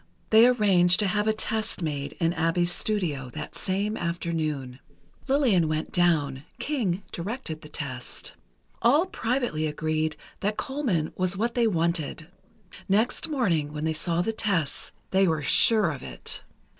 They arranged to have a test made in Abbe's studio, that same afternoon. Lillian went down; King directed the test. All privately agreed that Colman was what they wanted; next morning, when they saw the tests, they were sure of it.